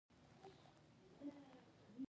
هیلۍ د ژوند له خوږو منظرو یوه ده